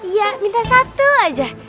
iya minta satu aja